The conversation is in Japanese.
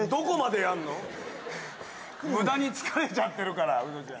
無駄に疲れちゃってるからウドちゃん。